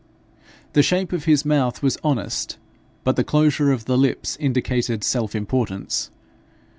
The shape of his mouth was honest, but the closure of the lips indicated self importance.